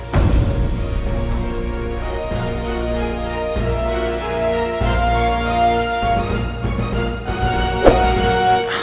kau juga bawa